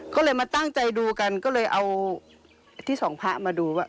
ก็เลยมาตั้งใจดูกันก็เลยเอาที่สองพระมาดูว่า